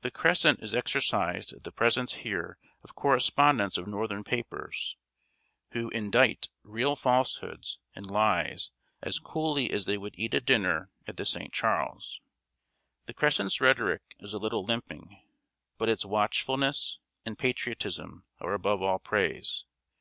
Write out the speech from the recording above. The Crescent is exercised at the presence here of "correspondents of northern papers, who indite real falsehoods and lies as coolly as they would eat a dinner at the Saint Charles." The Crescent's rhetoric is a little limping; but its watchfulness and patriotism are above all praise.